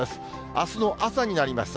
あすの朝になりました。